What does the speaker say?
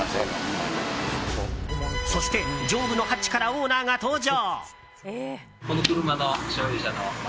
そして、上部のハッチからオーナーが登場。